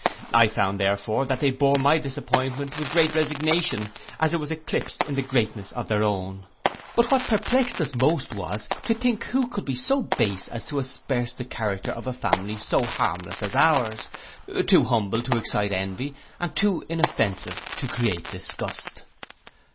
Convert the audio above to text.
I found, therefore, that they bore my disappointment with great resignation, as it was eclipsed in the greatness of their own. But what perplexed us most was to think who could be so base as to asperse the character of a family so harmless as ours, too humble to excite envy, and too inoffensive to create disgust.